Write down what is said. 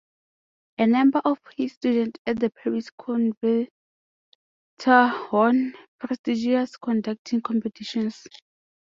A number of his students at the Paris Conservatoire won prestigious conducting competitions.